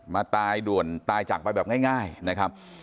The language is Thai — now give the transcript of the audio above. มาตายด่วนตายจากไปแบบง่ายนะครับ